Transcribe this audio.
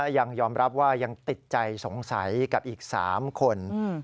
ยังยอมรับว่ายังติดใจสงสัยกับอีก๓คน